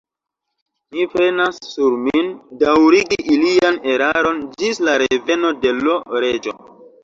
Mi prenas sur min, daŭrigi ilian eraron ĝis la reveno de l' Reĝo.